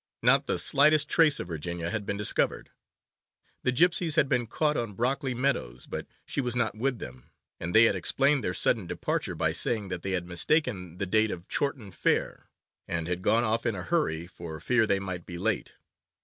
Not the slightest trace of Virginia had been discovered. The gypsies had been caught on Brockley meadows, but she was not with them, and they had explained their sudden departure by saying that they had mistaken the date of Chorton Fair, and had gone off in a hurry for fear they might be late.